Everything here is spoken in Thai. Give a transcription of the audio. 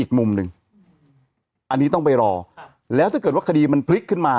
อีกมุมหนึ่งอันนี้ต้องไปรอแล้วถ้าเกิดว่าคดีมันพลิกขึ้นมา